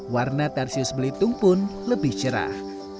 warna tarsius belitung pun lebih cerah